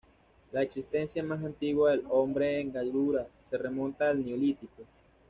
La existencia más antigua del hombre en Gallura se remonta al Neolítico.